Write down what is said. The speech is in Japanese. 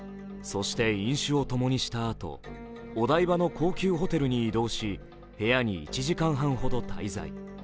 そして飲酒を共にしたあとお台場の高級ホテルに移動し部屋に１時間半ほど滞在。